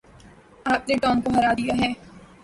آپ نے ٹام کو ہرا دیا ہے۔